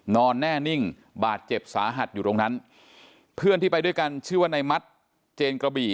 นอนแน่นิ่งบาดเจ็บสาหัสอยู่ตรงนั้นเพื่อนที่ไปด้วยกันชื่อว่าในมัดเจนกระบี่